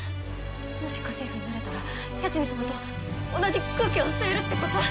もし家政婦になれたら八海サマと同じ空気を吸えるってこと！？